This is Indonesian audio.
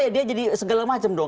eh dia jadi segala macam dong